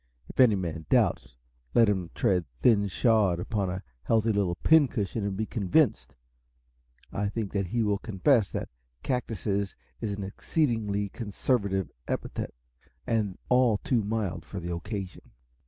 If any man doubts, let him tread thin shod upon a healthy little "pincushion" and be convinced. I think he will confess that "cactuses" is an exceedingly conservative epithet, and all too mild for the occasion.